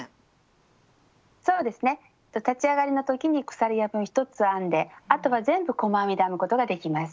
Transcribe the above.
そうですね立ち上がりの時に鎖編みを１つ編んであとは全部細編みで編むことができます。